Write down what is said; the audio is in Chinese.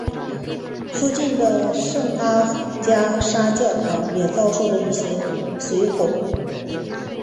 邻近的圣阿加莎教堂也遭受了一些损毁。